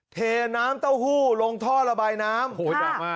เทน้ำเต้าหู้ลงท่อระไบน้ำ